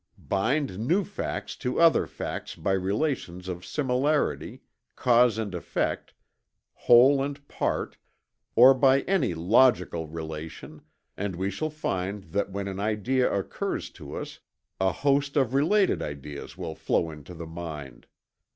Bind new facts to other facts by relations of similarity, cause and effect, whole and part, or by any logical relation, and we shall find that when an idea occurs to us, a host of related ideas will flow into the mind.